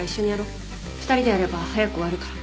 ２人でやれば早く終わるから。